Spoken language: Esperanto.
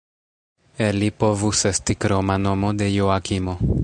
Eli povus esti kroma nomo de Joakimo.